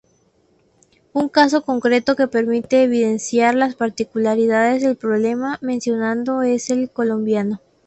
Un caso concreto que permite evidenciar las particularidades del problema mencionado es el colombiano.